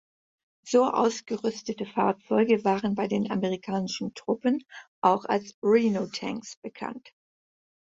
So ausgerüstete Fahrzeuge waren bei den amerikanischen Truppen auch als „Rhino tanks“ bekannt.